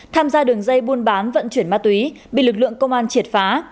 tham gia đường dây buôn bán vận chuyển ma túy bị lực lượng công an triệt phá